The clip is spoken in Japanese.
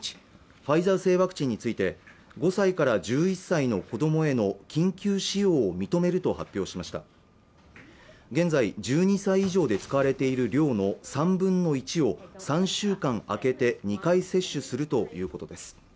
ファイザー製ワクチンについて５歳から１１歳の子供への緊急使用を認めると発表しました現在１２歳以上で使われている量の３分の１を３週間空けて２回接種するということです